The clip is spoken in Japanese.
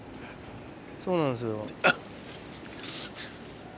そうなんですよ。